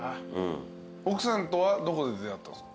奥さんとはどこで出会ったんすか？